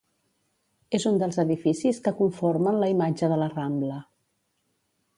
És un dels edificis que conformen la imatge de la Rambla.